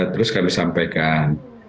terus kami sampaikan